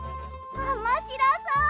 おもしろそう！